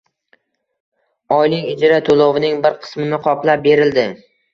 Oylik ijara to‘lovining bir qismini qoplab berildi.